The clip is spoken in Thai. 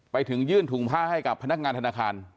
ฟาดเฮ้ยฟาดหัวเลย